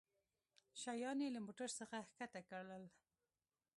شيان يې له موټرڅخه کښته کړل.